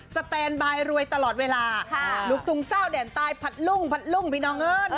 สแตนบายรวยตลอดเวลาลูกทุ่งเจ้าแดนตายผัดลุงผัดลุงพี่น้องเอิญ